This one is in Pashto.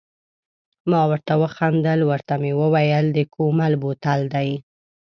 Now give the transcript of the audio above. ما ورته و خندل، ورته مې وویل د کومل بوتل دی.